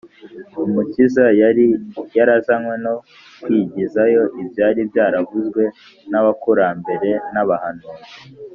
umukiza yari yarazanywe no kwigizayo ibyari byaravuzwe n’abakurambere n’abahanuzi